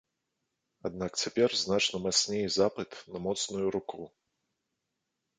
Аднак цяпер значна мацней запыт на моцную руку.